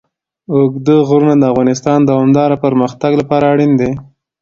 اوږده غرونه د افغانستان د دوامداره پرمختګ لپاره اړین دي.